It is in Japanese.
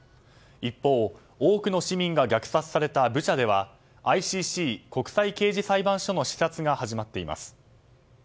一方、多くの市民が虐殺されたブチャではＩＣＣ・国際刑事裁判所の視察が始まっています。